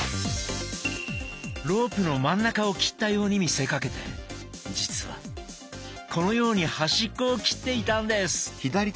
ロープの真ん中を切ったように見せかけて実はこのように端っこを切っていたんです！